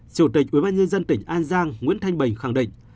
chủ tịch ubnd tỉnh an giang nguyễn thanh bình khẳng định